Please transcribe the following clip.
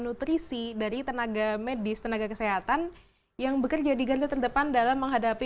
nutrisi dari tenaga medis tenaga kesehatan yang bekerja di garda terdepan dalam menghadapi